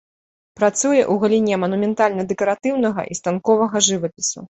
Працуе ў галіне манументальна-дэкаратыўнага і станковага жывапісу.